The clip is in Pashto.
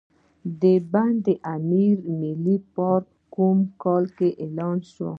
د بند امیر ملي پارک په کوم کال اعلان شو؟